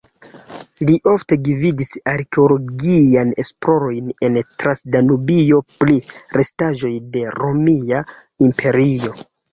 Li ofte gvidis arkeologiajn esplorojn en Transdanubio pri restaĵoj de Romia Imperio.